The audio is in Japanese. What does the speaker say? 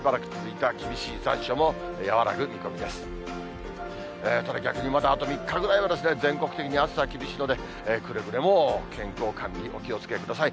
ただ逆にあと３日ぐらいは、全国的に暑さが厳しいので、くれぐれも健康管理、お気をつけください。